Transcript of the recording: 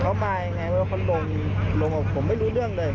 เขามาสับสอบเขาลงผมไม่รู้เรื่องเลย